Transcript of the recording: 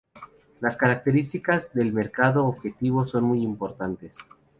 Las características del mercado objetivo son muy importantes.